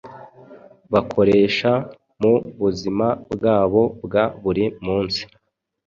bakoresha mu buzima bwabo bwa buri munsi.